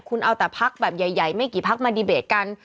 คุณเอาแต่พักแบบใหญ่ไม่กี่พักมาดีเบตกัน